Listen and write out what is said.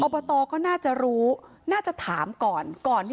อบตก็น่าจะรู้น่าจะถามก่อน